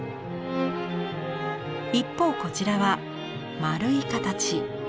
一方こちらは丸い形。